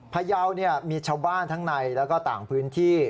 พยาวมีชาวบ้านทั้งในแล้วก็ต่างพื้นที่